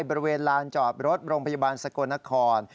บริเวณลานจอดรถโรงพยาบาลสกลนคร